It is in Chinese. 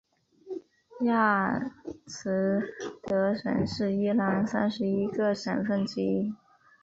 亚兹德省是伊朗三十一个省份之一。